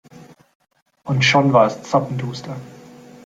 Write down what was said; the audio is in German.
Und schon war es zappenduster.